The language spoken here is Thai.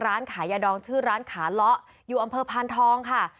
ร้านขายยาดองชื่อร้านขาเลาะอยู่อำเภอพานทองค่ะ